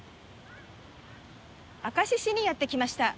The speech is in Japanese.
明石市にやって来ました。